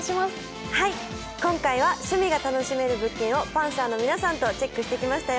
今回は趣味が楽しめる物件をパンサーの皆さんとチェックしてきましたよ。